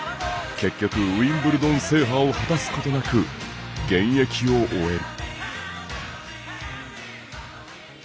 結局、ウィンブルドン制覇を果たすことなく現役を終える。